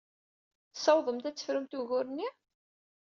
Tessawḍemt ad tefrumt ugur-nni?